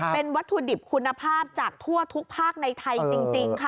เป็นวัตถุดิบคุณภาพจากทั่วทุกภาคในไทยจริงค่ะ